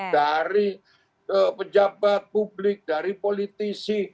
dari pejabat publik dari politisi